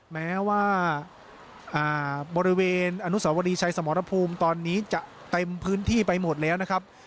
แม้ว่าบริเวณอนุสาวรีชัยสมรภูมิตอนนี้จะเต็มพื้นที่ไปหมดแล้วนะครับ